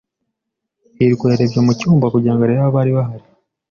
hirwa yarebye mu cyumba kugira ngo arebe abari bahari.